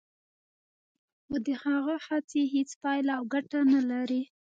خو د هغه هڅې هیڅ پایله او ګټه نه لري